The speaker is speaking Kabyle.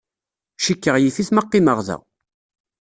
Cikkeɣ yif-it ma qqimeɣ da.